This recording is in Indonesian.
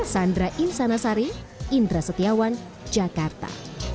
sandra insanasari indra setiawan jakarta